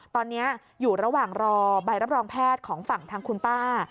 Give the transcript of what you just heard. ตอนนี้อยู่ระหว่างรอใบรับรองแพทย์ของฝั่งทางคุณป้า